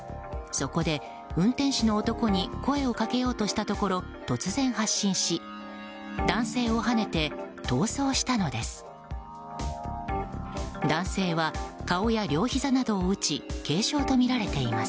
そこで運転手の男に声をかけようとしたところ突然、発進し男性をはねて逃走したのです。